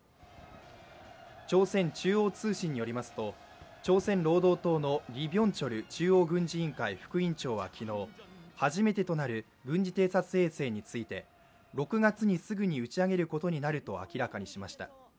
朝鮮中央通信によりますと、朝鮮労働党のリ・ビョンチョル中央軍事委員会副委員長は昨日、初めてとなる軍事偵察衛星について６月にすぐに打ち上げることになると明らかにしました。